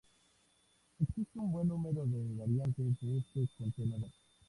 Existe un buen número de variantes de este contenedor.